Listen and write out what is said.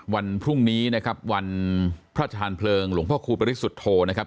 วันพรุ่งนี้นะครับวันพระธานเพลิงหลวงพ่อครูปริสุทธโธนะครับ